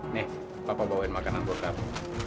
nih bapak bawain makanan buat kamu